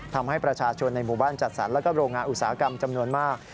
ทำให้ประชาชนในหมู่บ้านจัดสรรแล้วก็โรงงานอุตสาหกรรมจำนวนมาก